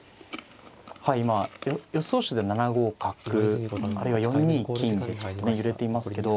はい今予想手で７五角あるいは４二金ちょっとね揺れていますけど。